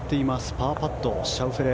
パーパット、シャウフェレ。